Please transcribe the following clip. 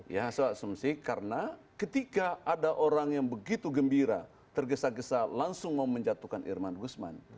ya hasil asumsi karena ketika ada orang yang begitu gembira tergesa gesa langsung menjatuhkan irman gusman